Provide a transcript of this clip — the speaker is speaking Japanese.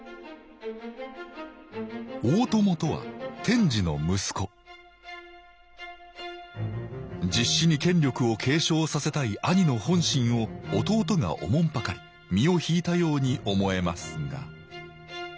大友とは天智の息子実子に権力を継承させたい兄の本心を弟がおもんぱかり身を引いたように思えますが。